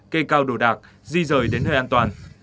cây cao đổ đạc di rời đến nơi an toàn